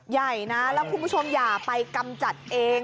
ใหญ่นะแล้วคุณผู้ชมอย่าไปกำจัดเอง